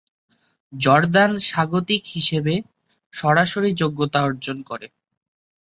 Jordan স্বাগতিক হিসাবে সরাসরি যোগ্যতা অর্জন করে।